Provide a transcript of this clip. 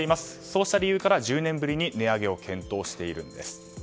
そうした理由から１０年ぶりに値上げを検討しているんです。